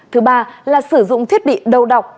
thứ ba là sử dụng thiết bị đầu đọc